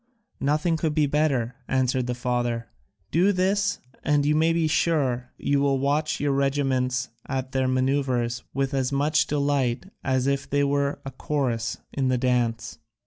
"Nothing could be better," answered the father. "Do this, and you may be sure you will watch your regiments at their manoeuvres with as much delight as if they were a chorus in the dance."